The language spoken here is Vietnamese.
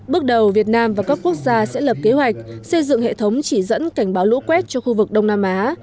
bước đầu việt nam và các quốc gia sẽ lập kế hoạch xây dựng hệ thống chỉ dẫn cảnh báo lũ quét cho khu vực đông nam á